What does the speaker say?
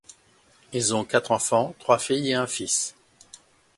Ils ont quatre enfants, trois filles et un fils.